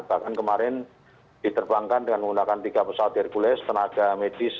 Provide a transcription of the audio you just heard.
bahkan kemarin diterbangkan dengan menggunakan tiga pesawat hercules tenaga medis